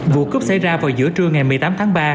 vụ cướp xảy ra vào giữa trưa ngày một mươi tám tháng ba